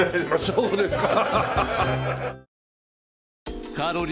そうですか。